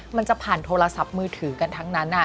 มันจะผ่านโทรศัพท์มือถือกันทั้งนั้น